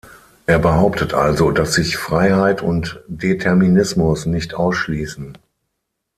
Er behauptet also, dass sich Freiheit und Determinismus nicht ausschließen.